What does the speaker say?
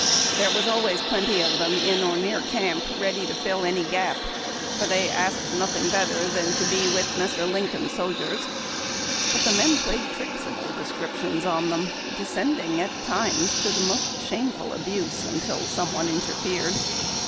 There were always ])leiity TlIK (AMI' .MINSTKKLS of them in or near camp ready to fill any gap, for they asked nothing bet ter than to be witli '• Massa Linkum's Sojers." But the men played tricks of all descriptions on them, descending at times to most shameful abuse until some one interfered.